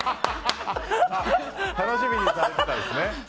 楽しみにされていたんですね。